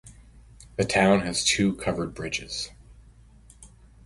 The town has two covered bridges.